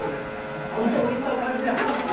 本当、おいしさを感じられますね。